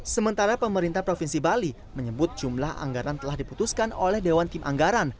sementara pemerintah provinsi bali menyebut jumlah anggaran telah diputuskan oleh dewan tim anggaran